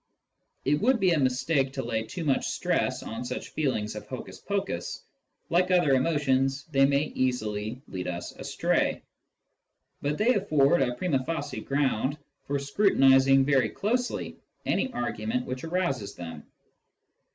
It would be a mistake to lay too much stress on such feelings of hocus pocus ; like other emotions, they may easily lead us astray. But they afford a prima facie ground for scrutinising very closely any argument which arouses them.